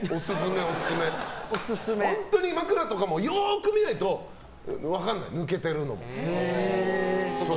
本当に枕とかもよく見ないと分からない、抜けてるのも。